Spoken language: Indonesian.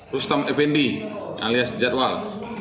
rustam fnd alias jadwal